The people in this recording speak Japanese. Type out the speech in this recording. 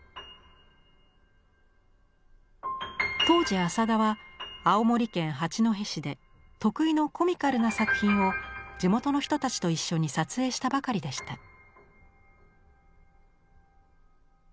当時浅田は青森県八戸市で得意のコミカルな作品を地元の人たちと一緒に撮影したばかりでした。